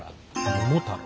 桃太郎。